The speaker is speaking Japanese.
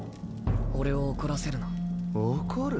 俺を怒らせるな怒る？